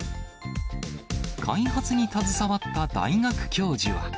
開発に携わった大学教授は。